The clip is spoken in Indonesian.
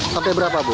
sampai berapa bu